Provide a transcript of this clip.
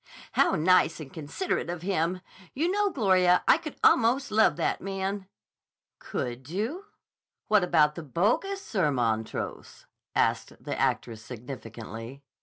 "How nice and considerate of him! You know, Gloria, I could almost love that man." "Could you? What about the bogus Sir Montrose?" asked the actress significantly.